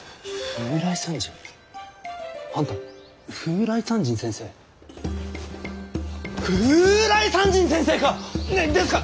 風来山人先生か！？ですか！？